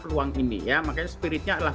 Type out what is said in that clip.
peluang ini ya makanya spiritnya adalah